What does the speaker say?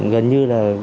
gần như là